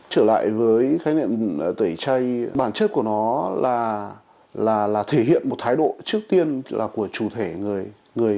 trở lại với khái niệm tẩy chay bản chất của nó là thể hiện một thái độ trước tiên là của chủ thể người